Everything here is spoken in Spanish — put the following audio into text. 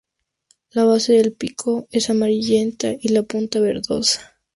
La base del pico es amarillenta y la punta verdosa.